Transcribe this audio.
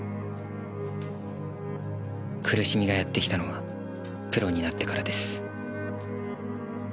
苦しみがやって来たのはプロになってからです。